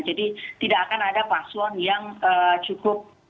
tidak akan ada paslon yang cukup